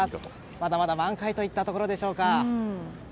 まだまだ満開といったところでしょうか。